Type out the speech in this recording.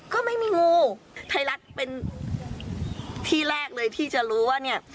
ก็ไม่มีงูไทยรัฐเป็นที่แรกเลยที่จะรู้ว่าเนี่ย